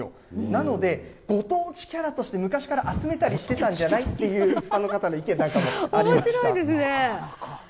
なので、ご当地キャラとして昔から集めたりしてたんじゃないという一般のおもしろいですね。